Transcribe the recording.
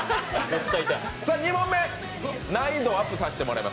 ２問目、難易度をアップさせてもらいます。